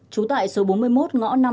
trú tại số bốn mươi một ngõ năm